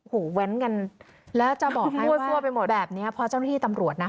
แว้นกันแล้วจะบอกให้มั่วไปหมดแบบนี้พอเจ้าหน้าที่ตำรวจนะ